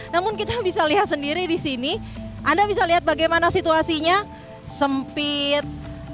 namun kita bisa lihat sendiri di sini anda bisa lihat bagaimana situasinya sempit